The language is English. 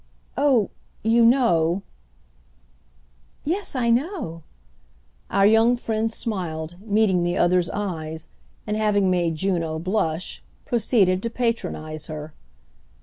"Oh, you know—?" "Yes, I know!" Our young friend smiled, meeting the other's eyes, and, having made Juno blush, proceeded to patronise her.